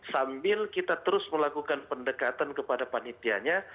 sambil kita terus melakukan pendekatan kepada panitianya